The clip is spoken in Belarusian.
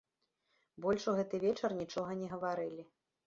Больш у гэты вечар нічога не гаварылі.